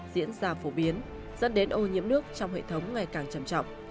diễn ra phổ biến dẫn đến ô nhiễm nước trong hệ thống ngày càng trầm trọng